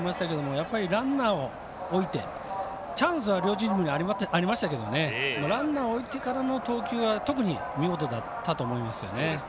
やっぱりランナーを置いてチャンス両チームにありましたがランナーを置いてからの投球が特に見事だったと思います。